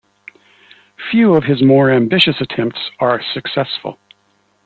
Few of his more ambitious attempts are successful.